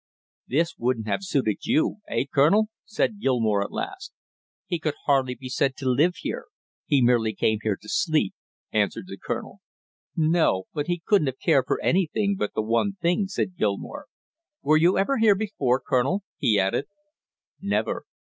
"This wouldn't have suited you, eh, Colonel?" said Gilmore at last. "He could hardly be said to live here, he merely came here to sleep," answered the colonel. "No, he couldn't have cared for anything but the one thing," said Gilmore. "Were you ever here before, Colonel?" he added. "Never."